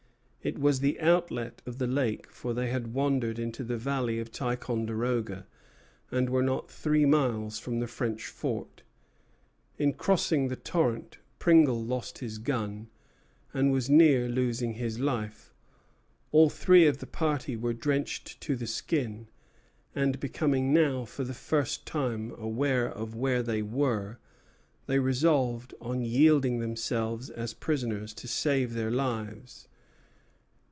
It was the outlet of the lake; for they had wandered into the valley of Ticonderoga, and were not three miles from the French fort. In crossing the torrent Pringle lost his gun, and was near losing his life. All three of the party were drenched to the skin; and, becoming now for the first time aware of where they were, they resolved on yielding themselves prisoners to save their lives.